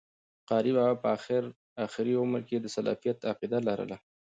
قاري بابا په آخري عمر کي د سلفيت عقيده لرله